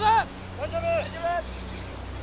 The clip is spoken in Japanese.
大丈夫！